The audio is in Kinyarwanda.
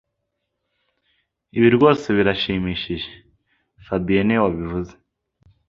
Ibi rwose birashimishije fabien niwe wabivuze